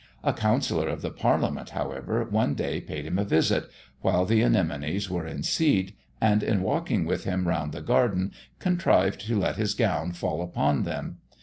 A counsellor of the parliament, however, one day paid him a visit, while the anemones were in seed, and in walking with him round the garden contrived to let his gown fall upon them.